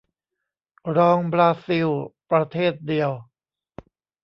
รองบราซิลประเทศเดียว